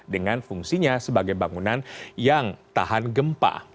dengan fungsinya sebagai bangunan yang tahan gempa